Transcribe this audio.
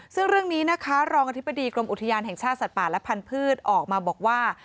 ซึ่งเรื่องนี้นะคะรองอธิบดีกรมอุทยานแห่งชาติสัตว์ป่าและพันธุ์ออกมาบอกว่า